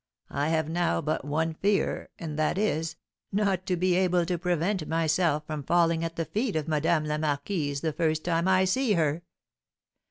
I have now but one fear, and that is, not to be able to prevent myself from falling at the feet of Madame la Marquise the first time I see her."